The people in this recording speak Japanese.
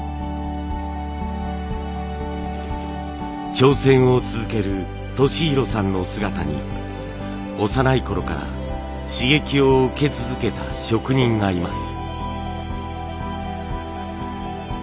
挑戦を続ける利浩さんの姿に幼いころから刺激を受け続けた職人がいます。